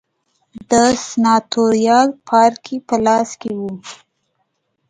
د سناتوریال پاړکي په لاس کې و